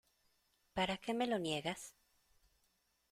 ¿ para qué me lo niegas?